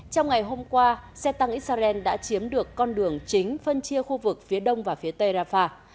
trong ngày hôm qua xe tăng israel đã chiếm được con đường chính phân chia khu vực phía đông và phía tây rafah